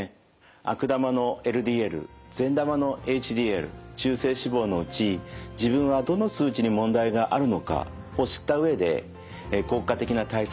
悪玉のＬＤＬ善玉のＨＤＬ中性脂肪のうち自分はどの数値に問題があるのかを知った上で効果的な対策をとる。